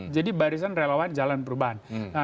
jadi barisan relawan jalan perubahan